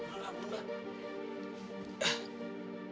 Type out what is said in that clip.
apaan itu mbak